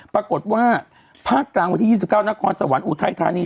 ปรากฏว่าภาคจารย์วันที่๒๙นสหวัญอุทัยธานี